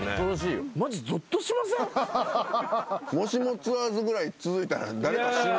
『もしもツアーズ』ぐらい続いたら誰か死ぬよ。